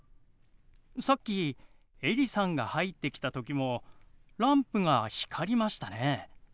さっきエリさんが入ってきた時もランプが光りましたね。